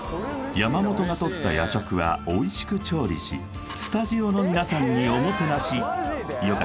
山本がとった野食はおいしく調理しスタジオの皆さんにおもてなしマジで？